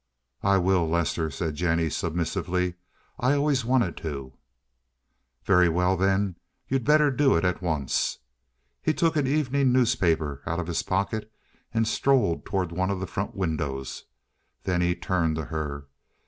"I will, Lester," said Jennie submissively. "I always wanted to." "Very well, then, you'd better do it at once." He took an evening newspaper out of his pocket and strolled toward one of the front windows; then he turned to her.